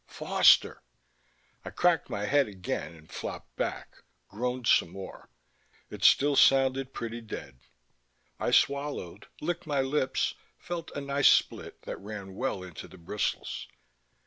Foster! I cracked my head again and flopped back, groaned some more. It still sounded pretty dead. I swallowed, licked my lips, felt a nice split that ran well into the bristles.